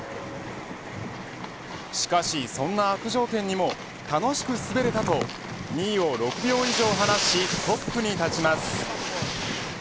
しかし、そんな悪条件にも楽しく滑れたと２位を６秒以上離しトップに立ちます。